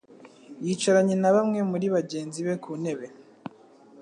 yicaranye na bamwe muri bagenzi be ku ntebe.